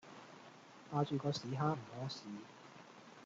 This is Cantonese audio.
霸住個屎坑唔痾屎